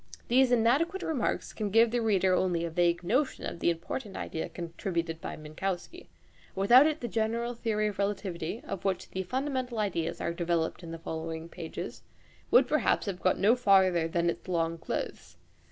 These inadequate remarks can give the reader only a vague notion of the important idea contributed by Minkowski. Without it the general theory of relativity, of which the fundamental ideas are developed in the following pages, would perhaps have got no farther than its long clothes.